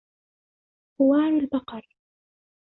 خوار البقر